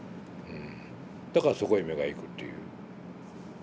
だからそこへ目が行くっていう。